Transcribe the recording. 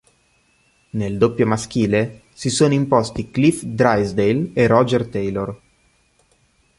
Nel doppio maschile si sono imposti Cliff Drysdale e Roger Taylor.